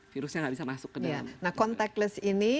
virusnya nggak bisa masuk ke dalam nah contactless ini